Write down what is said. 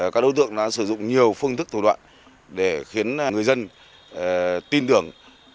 các đối tượng đã sử dụng nhiều phương thức thủ đoạn để khiến người dân tin tưởng